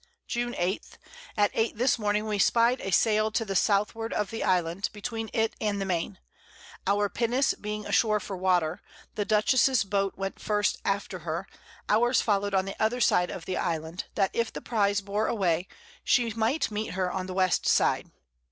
June 8. At 8 this Morning we spied a Sail to the Southward of the Island, between it and the Main; our Pinnace being a shore for Water, the Dutchess's Boat went first after her, ours followed on the other side of the Island, that if the Prize bore away, she might meet her on the West Side.